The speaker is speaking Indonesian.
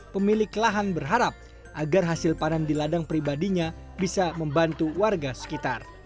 pemilik lahan berharap agar hasil panen di ladang pribadinya bisa membantu warga sekitar